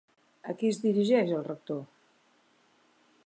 A qui es dirigeix el rector?